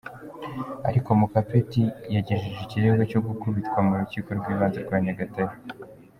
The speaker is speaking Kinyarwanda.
Ariko Mukapeti yagejeje ikirego cyo gukubitwa mu Rukiko rw’Ibanze rwa Nyagatare.